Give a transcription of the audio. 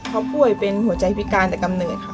เขาป่วยเป็นหัวใจพิการแต่กำเนิดค่ะ